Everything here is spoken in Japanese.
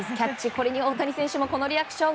これには大谷選手もこのリアクション。